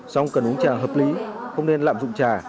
xong cần uống trà hợp lý không nên lạm dụng trả